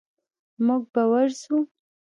موږ به ورسو.